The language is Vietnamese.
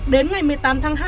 đến ngày một mươi tám tháng hai